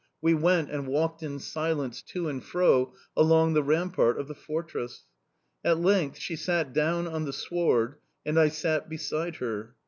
We went, and walked in silence to and fro along the rampart of the fortress. At length she sat down on the sward, and I sat beside her.